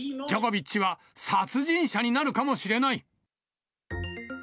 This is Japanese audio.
ジョコビッチは殺人者になるかもしれない。